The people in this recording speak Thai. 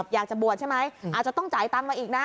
อยากจะบวชะไหม